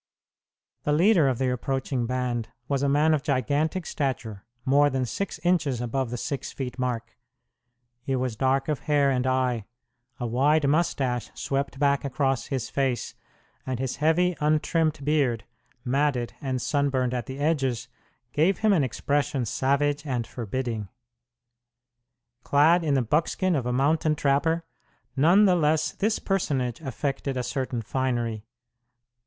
The leader of the approaching band was a man of gigantic stature, more than six inches above the six feet mark. He was dark of hair and eye; a wide mustache swept back across his face, and his heavy, untrimmed beard, matted and sunburned at the edges, gave him an expression savage and forbidding. Clad in the buckskin of a mountain trapper, none the less this personage affected a certain finery.